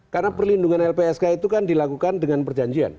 karena perlindungan lpsk itu kan dilakukan dengan perjanjian